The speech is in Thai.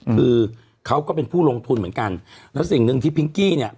คือเขาก็เป็นผู้ลงทุนเหมือนกันแล้วสิ่งหนึ่งที่พิงกี้เนี่ย